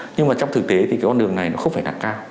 nhưng mà trong thực tế thì cái con đường này nó không phải đạt cao